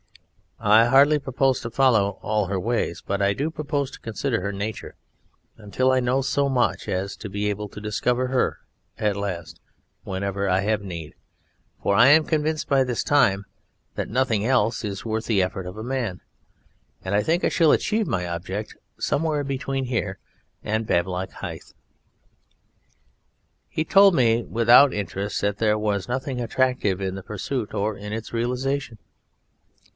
I hardly propose to follow all Her ways, but I do propose to consider Her nature until I know so much as to be able to discover Her at last whenever I have need, for I am convinced by this time that nothing else is worth the effort of a man ... and I think I shall achieve my object somewhere between here and Bablock Hythe." He told me without interest that there was nothing attractive in the pursuit or in its realisation.